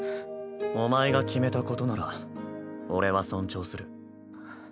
お前が決めたことなら俺は尊重する。